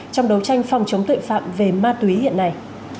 trong đấu tranh phòng chống tội phạm về ma túy hiện nay